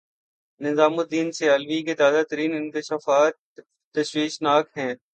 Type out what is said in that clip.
نظام الدین سیالوی کے تازہ ترین انکشافات تشویشناک ہیں۔